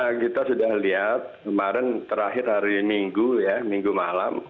ya kita sudah lihat kemarin terakhir hari minggu ya minggu malam